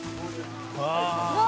うわ。